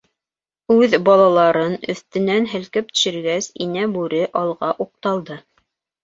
Үҙ балаларын өҫтөнән һелкеп төшөргәс, Инә Бүре алға уҡталды.